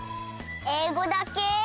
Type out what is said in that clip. えいごだけ？